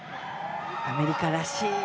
アメリカらしい